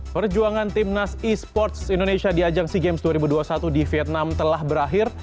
perjuangan timnas e sports indonesia di ajang sea games dua ribu dua puluh satu di vietnam telah berakhir